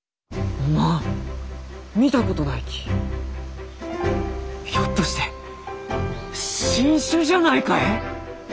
「おまんみたことないきひょっとして新種じゃないかえ？」。